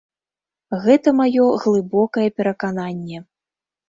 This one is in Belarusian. Гэта маё глыбокае перакананне.